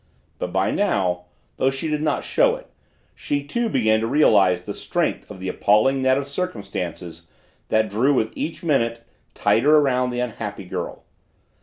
But by now, though she did not show it, she too began to realize the strength of the appalling net of circumstances that drew with each minute tighter around the unhappy girl.